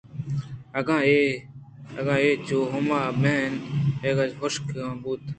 اگاں اے چوہما مین ئیگ ءَ حُشک بُوت